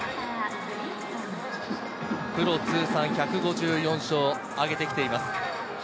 プロ通算１５４勝を挙げて来ています。